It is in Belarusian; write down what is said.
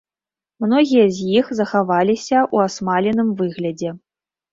Многія з іх захаваліся ў асмаленым выглядзе.